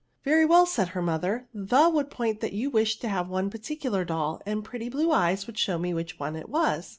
" Very well," said her mother, " the would point that you wished to have one particular doU, and pretty blue eyes would show me which it was."